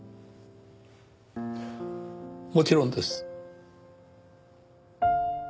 もちろんです。